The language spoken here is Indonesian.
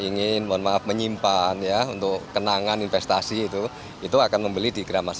ingin mohon maaf menyimpan ya untuk kenangan investasi itu itu akan membeli di gramas